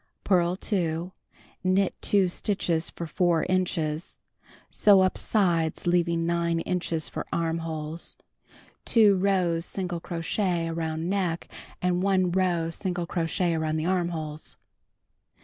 Purl 2, knit 2 stitches for 4 inches. Sew up sides, leaving 9 inches for amiholes. Two rows single crochet around neck and 1 row single crochet around the armholes.